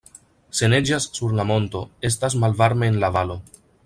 Se neĝas sur la monto, estas malvarme en la valo.